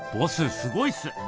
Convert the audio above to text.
すごいっす！